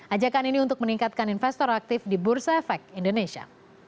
ajakan ini untuk meningkatkan investor aktif di bursa efek indonesia